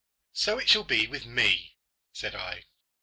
"So it shall be with me," said I.